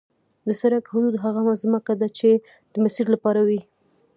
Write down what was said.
د سړک حدود هغه ځمکه ده چې د مسیر لپاره وي